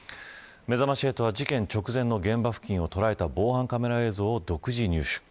めざまし８は事件直前の現場付近を捉えた防犯カメラ映像を独自入手。